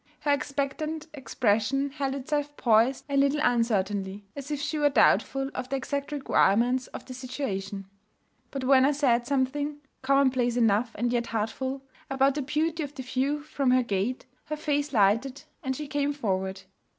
Her expectant expression held itself poised a little uncertainly, as if she were doubtful of the exact requirements of the situation. But when I said something commonplace enough and yet heartful about the beauty of the view from her gate, her face lighted and she came forward.